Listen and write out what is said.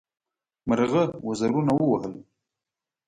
مرغه وزرونه ووهل.